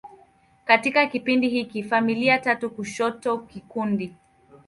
Katika kipindi hiki, familia tatu kushoto kikundi.